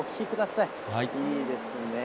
いいですね。